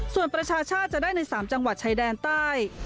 ส่วนประชาชาติจะได้ใน๓จังหวัดชายแดนใต้